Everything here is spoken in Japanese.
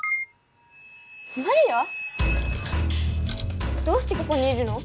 マリア⁉どうしてここにいるの？